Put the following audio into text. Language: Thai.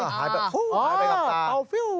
หายไปกลับตา